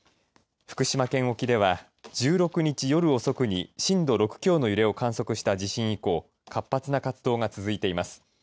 福島県沖では１６日、夜遅くに震度６強の揺れを観測した地震以降活発な活動が続いています。